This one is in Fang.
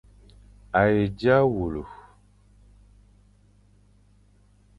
A he dia wule.